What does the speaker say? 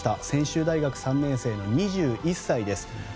専修大学３年生、２１歳です。